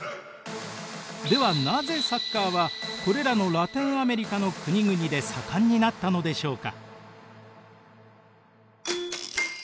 ではなぜサッカーはこれらのラテンアメリカの国々で盛んになったのでしょうか。